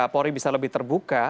polri bisa lebih terbuka